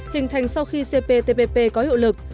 hình thành sau khi cptpp có hiệu lực